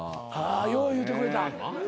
あよう言うてくれた。